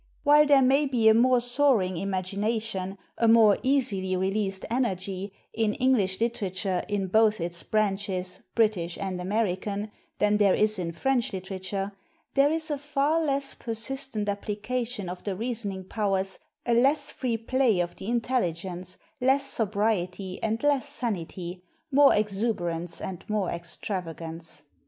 While there may be a more soaring imagination, a more easily released energy, in English literature in both its branches, British and American, than there is in French literature, there is a far less persistent application of the reasoning powers, a less free play of the intelli gence, less sobriety and less sanity, more exu berance and more extravagance.